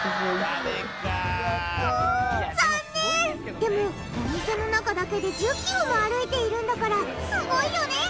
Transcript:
でもお店の中だけで１０キロも歩いているんだからすごいよね！